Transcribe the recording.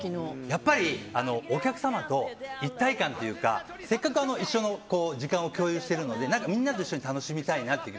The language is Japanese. やっぱりお客様と一体感というかせっかく一緒の時間を共有しているので何かみんなと一緒に楽しみたいと。